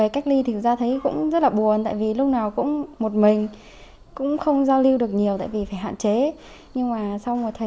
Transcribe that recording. cảm thấy sinh hoạt bình thường và sống rất là ổn định vui vẻ không sao cả